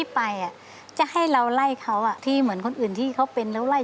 เป็นเรื่องแล้ว